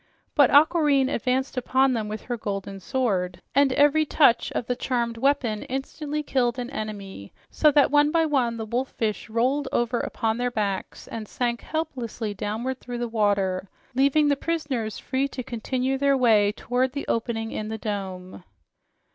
But Aquareine advanced upon them with her golden sword, and every touch of the charmed weapon instantly killed an enemy, so that one by one the wolf fish rolled over upon their backs and sank helplessly downward through the water, leaving the prisoners free to continue their way toward the opening in the dome.